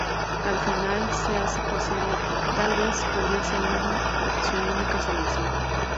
Al final, se hace posible que, tal vez, podría ser su única salvación.